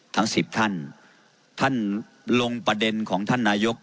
ทั้งสิบท่านท่านลงประเด็นของท่านนายก